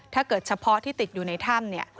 ถ้าเกิดเฉพาะที่ติดอยู่ในถ้ำ